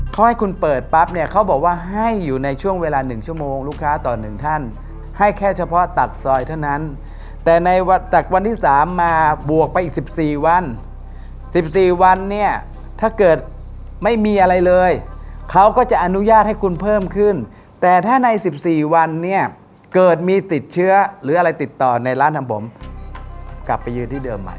เขาให้คุณเปิดปั๊บเนี่ยเขาบอกว่าให้อยู่ในช่วงเวลา๑ชั่วโมงลูกค้าต่อหนึ่งท่านให้แค่เฉพาะตัดซอยเท่านั้นแต่ในวันที่๓มาบวกไปอีก๑๔วัน๑๔วันเนี่ยถ้าเกิดไม่มีอะไรเลยเขาก็จะอนุญาตให้คุณเพิ่มขึ้นแต่ถ้าใน๑๔วันเนี่ยเกิดมีติดเชื้อหรืออะไรติดต่อในร้านทำผมกลับไปยืนที่เดิมใหม่